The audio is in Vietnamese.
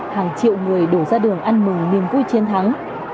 hàng triệu người đổ ra đường ăn mừng niềm vui chiến thắng